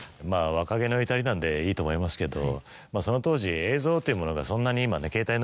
若気の至りなんでいいと思いますけど。